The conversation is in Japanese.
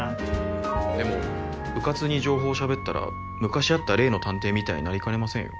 でもうかつに情報をしゃべったら昔あった例の探偵みたいになりかねませんよ。